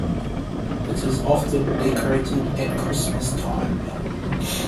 It is often decorated at Christmas time.